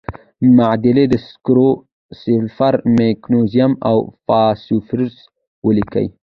معادلې د سکرو، سلفر، مګنیزیم او فاسفورس ولیکئ.